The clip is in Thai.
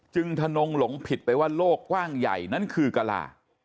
ทนงหลงผิดไปว่าโลกกว้างใหญ่นั้นคือกะลา